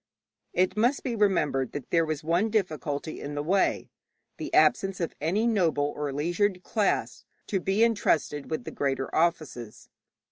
It must be remembered that there was one difficulty in the way the absence of any noble or leisured class to be entrusted with the greater offices.